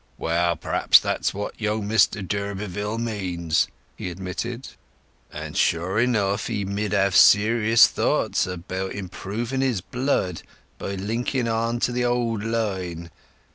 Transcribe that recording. "Well, perhaps that's what young Mr d'Urberville means," he admitted; "and sure enough he mid have serious thoughts about improving his blood by linking on to the old line.